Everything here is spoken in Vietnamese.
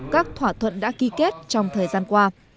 các thỏa thuận đã ký kết trong thời gian qua